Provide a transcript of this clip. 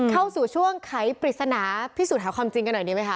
เข้าสู่ช่วงไขปริศนาพิสูจน์หาความจริงกันหน่อยดีไหมค